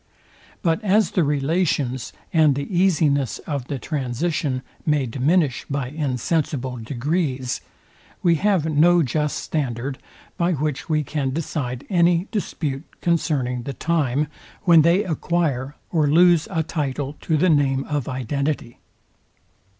But as the relations, and the easiness of the transition may diminish by insensible degrees, we have no just standard, by which we can decide any dispute concerning the time, when they acquire or lose a title to the name of identity.